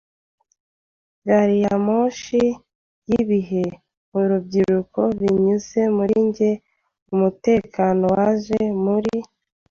gari ya moshi y'ibihe, mubyukuri binyuze muri njye umutekano waje. Muri